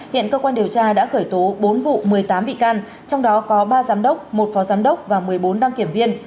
hiện cơ quan điều tra đã khởi tố bốn vụ một mươi tám bị can trong đó có ba giám đốc một phó giám đốc và một mươi bốn đăng kiểm viên